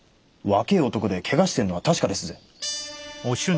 若え男でけがしてんのは確かですぜ。